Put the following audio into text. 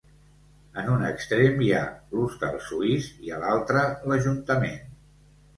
En un extrem hi ha l'Hostal Suís i a l'altre l'Ajuntament.